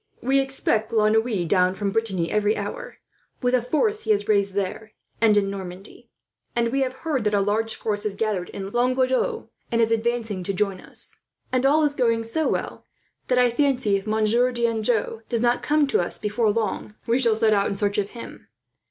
"We expect La Noue down from Brittany every hour, with a force he has raised there and in Normandy; and we have heard that a large force has gathered in Languedoc, and is advancing to join us; and all is going so well that I fancy, if Monsieur d'Anjou does not come to us before long, we shall set out in search of him.